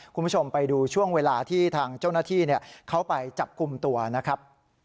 คุณผู้ชมไปดูช่วงเวลาที่ทางเจ้าหน้าที่เขาไปจับกลุ่มตัวนะครับ